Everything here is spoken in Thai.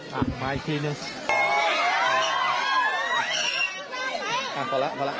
ครับอ่ะมาอีกทีนึง